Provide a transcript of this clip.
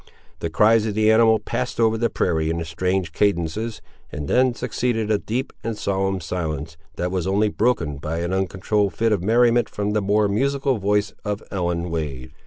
The cries of the animal passed over the prairie in strange cadences, and then succeeded a deep and solemn silence, that was only broken by an uncontrolled fit of merriment from the more musical voice of Ellen Wade.